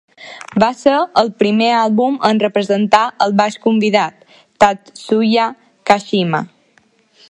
Va ser el primer àlbum en presentar el baix convidat, Tatsuya Kashima.